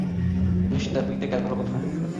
Mr Whitaker, ভালো কথা।